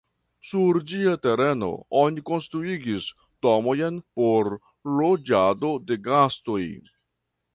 Sur ĝia tereno oni konstruigis domojn por loĝado de gastoj.